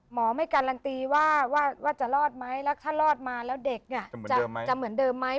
หมอไม่การันตีว่าจะรอดไหมแล้วถ้ารอดมาแล้วเด็กเนี่ยจะเหมือนเดิมไหม